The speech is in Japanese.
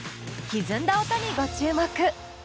ひずんだ音にご注目！